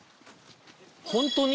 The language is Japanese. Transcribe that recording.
本当に？